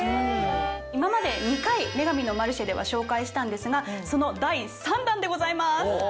今まで２回『女神のマルシェ』では紹介したんですがその第３弾でございます。